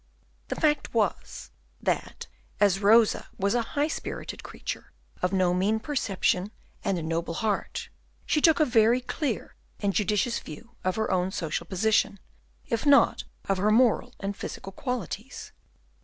The fact was, that, as Rosa was a high spirited creature, of no mean perception and a noble heart, she took a very clear and judicious view of her own social position, if not of her moral and physical qualities.